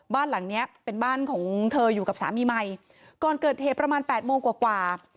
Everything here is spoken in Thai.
บ้านหลังเนี้ยเป็นบ้านของเธออยู่กับสามีใหม่ก่อนเกิดเหตุประมาณแปดโมงกว่ากว่า